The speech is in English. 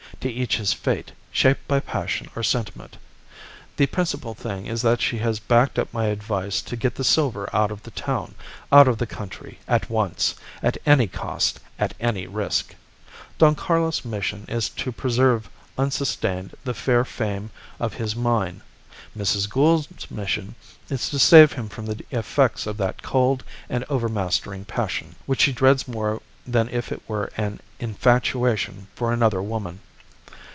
To each his fate, shaped by passion or sentiment. The principal thing is that she has backed up my advice to get the silver out of the town, out of the country, at once, at any cost, at any risk. Don Carlos' mission is to preserve unstained the fair fame of his mine; Mrs. Gould's mission is to save him from the effects of that cold and overmastering passion, which she dreads more than if it were an infatuation for another woman.